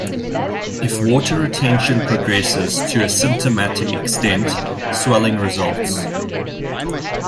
If water retention progresses to a symptomatic extent, swelling results.